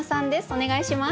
お願いします。